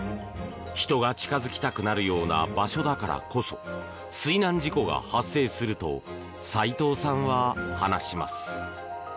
人が近づきたくなるような場所だからこそ水難事故が発生すると斎藤さんは話します。